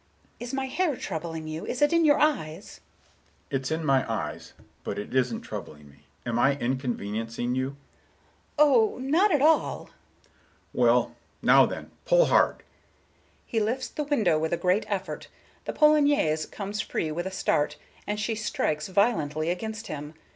Is my hair troubling you? Is it in your eyes?" Mr. Richards: "It's in my eyes, but it isn't troubling me. Am I inconveniencing you?" Miss Galbraith: "Oh, not at all." Mr. Richards: "Well, now then, pull hard!" He lifts the window with a great effort; the polonaise comes free with a start, and she strikes violently against him.